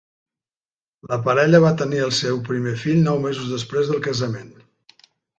La parella va tenir el seu primer fill nou mesos després del casament.